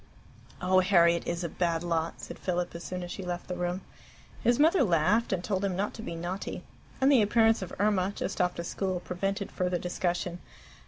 "Oh, Harriet is a bad lot!" said Philip as soon as she left the room. His mother laughed, and told him not to be naughty; and the appearance of Irma, just off to school, prevented further discussion.